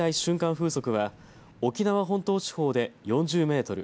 風速は沖縄本島地方で４０メートル